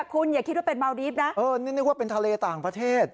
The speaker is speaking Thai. คุณอย่าคิดว่าเป็นเมาดีฟนะเออนี่นึกว่าเป็นทะเลต่างประเทศ